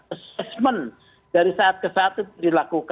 assessment dari saat ke saat itu dilakukan